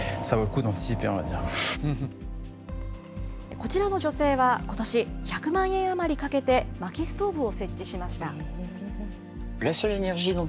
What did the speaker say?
こちらの女性はことし、１００万円余りかけてまきストーブを設置しました。